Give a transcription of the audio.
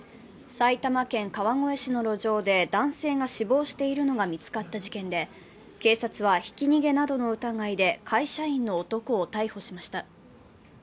埼玉県川越市の路上で男性が死亡しているのが見つかった事件で警察はひき逃げなどの疑いで会社員の男を逮捕しました。